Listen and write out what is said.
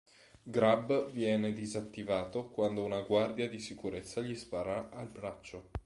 Grab viene disattivato quando una guardia di sicurezza gli spara al braccio.